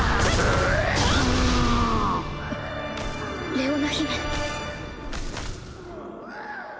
レオナ姫。